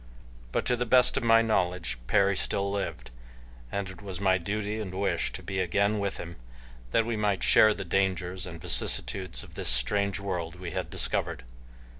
But, to the best of my knowledge, Perry still lived and it was my duty and wish to be again with him, that we might share the dangers and vicissitudes of the strange world we had discovered.